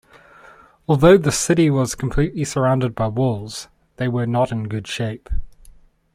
Although the city was completely surrounded by walls, they were not in good shape.